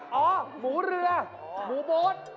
อ๋อหมูเรือหมูโบ๊ท